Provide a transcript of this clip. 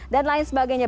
dan lain sebagainya